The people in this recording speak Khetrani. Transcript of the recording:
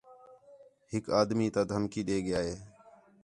ہِک آدمی تا دھمکی ݙے ڳِیا ہِے